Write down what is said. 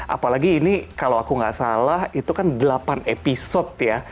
apalagi ini kalau aku nggak salah itu kan delapan episode ya